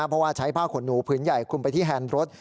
เพราะว่าใช้ผ้าขนหนูผืนใหญ่คลุมไปที่แฮนด์รถ